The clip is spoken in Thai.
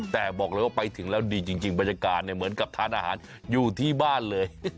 แต่บอกเลยว่าไปถึงแล้วดีจริงบรรยากาศเหมือนกับทานอาหารอยู่ที่บ้านเลย